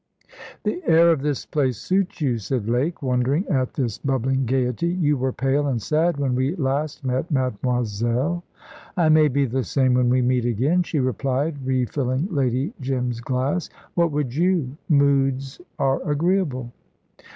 "The air of this place suits you," said Lake, wondering at this bubbling gaiety; "you were pale and sad when we last met, Mademoiselle." "I may be the same when we meet again," she replied, refilling Lady Jim's glass. "What would you? Moods are agreeable."